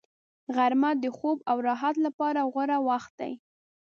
غرمه د خوب او راحت لپاره غوره وخت دی